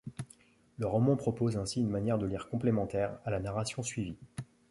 Le roman propose ainsi une manière de lire complémentaire à la narration suivie.